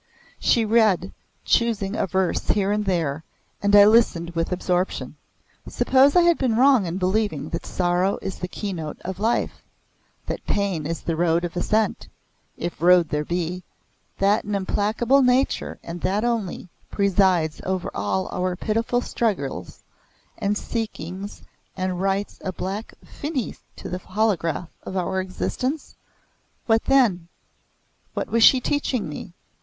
She read, choosing a verse here and there, and I listened with absorption. Suppose I had been wrong in believing that sorrow is the keynote of life; that pain is the road of ascent, if road there be; that an implacable Nature and that only, presides over all our pitiful struggles and seekings and writes a black "Finis" to the holograph of our existence? What then? What was she teaching me?